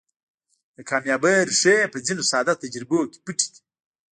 د کاميابۍ ريښې په ځينو ساده تجربو کې پټې دي.